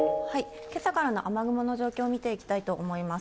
けさからの雨雲の状況を見ていきたいと思います。